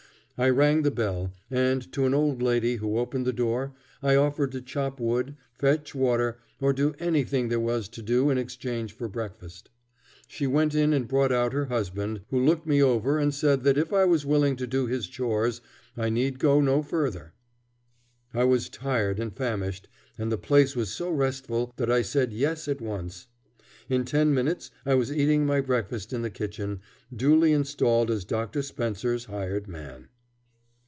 I rang the bell, and to an old lady who opened the door I offered to chop wood, fetch water, or do anything there was to do in exchange for breakfast. She went in and brought out her husband, who looked me over and said that if I was willing to do his chores I need go no farther. I was tired and famished, and the place was so restful that I said yes at once. In ten minutes I was eating my breakfast in the kitchen, duly installed as Dr. Spencer's hired man.